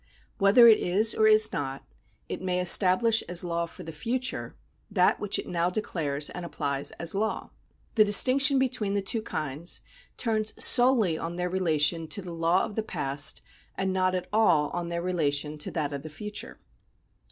Whether it is or is not, it may establish as law for the future that which it now declares and applies as law. The distinction between the two kinds turns solely on their relation to the law of the past, and not at all on their relation to that of the future.